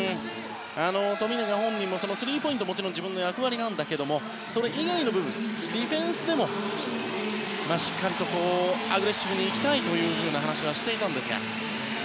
富永本人もスリーポイントは自分の役割なんだけどそれ以外の部分ディフェンスでも、しっかりとアグレッシブにいきたいと話していたんですが。